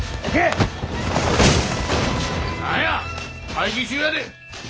会議中やで。